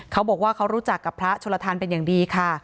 เขาบอกว่าเขารู้จักกับพระชนลทานเป็นอย่างดีค่ะ